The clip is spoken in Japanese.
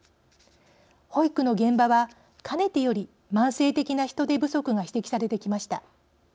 保育の現場はかねてより慢性的な人手不足が指摘されてきました。